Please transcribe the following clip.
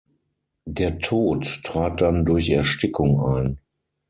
Der Tod trat dann durch Erstickung ein.